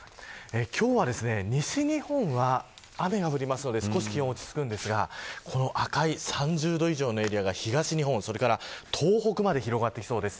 今日は、西日本は雨が降りますので少し気温、落ち着くんですがこの赤い、３０度以上のエリアが東日本それから東北まで広がってきそうです。